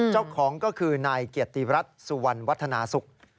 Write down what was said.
เจ้าของก็คือนายเกียรติรัฐสุวรรณวัฒนาศุกร์